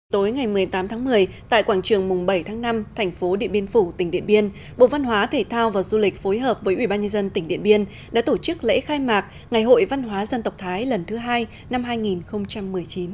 tối ngày một mươi tám tháng một mươi tại quảng trường mùng bảy tháng năm thành phố điện biên phủ tỉnh điện biên bộ văn hóa thể thao và du lịch phối hợp với ủy ban nhân dân tỉnh điện biên đã tổ chức lễ khai mạc ngày hội văn hóa dân tộc thái lần thứ hai năm hai nghìn một mươi chín